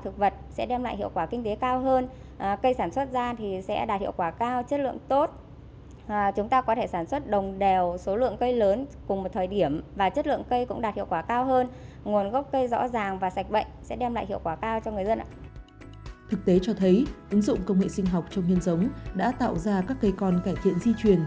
thực tế cho thấy ứng dụng công nghệ sinh học trong nhân giống đã tạo ra các cây con cải thiện di truyền